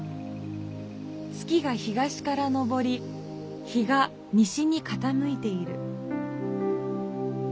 月が東からのぼり日が西にかたむいている。